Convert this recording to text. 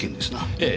ええ。